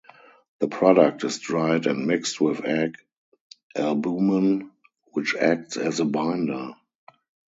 The product is dried and mixed with egg albumen, which acts as a binder.